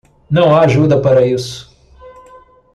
Não há ajuda para isso.